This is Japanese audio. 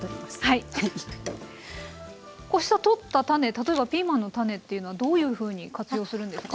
例えばピーマンの種っていうのはどういうふうに活用するんですか？